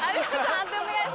判定お願いします。